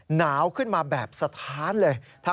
หนาวขึ้นมาแบบสถานเลย